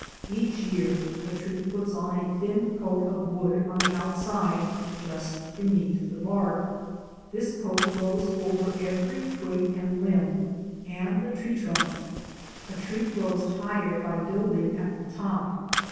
Each year a tree puts on a thin coat of wood on the outside just beneath the bark. This coat grows over every twig and limb and the tree trunk. A tree grows higher by building at the top.